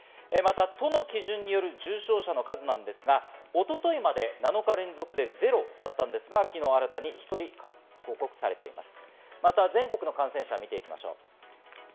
都の基準による重症者の数なんですが、一昨日まで７日連続でゼロだったんですが、昨日新たに１人と報告されています。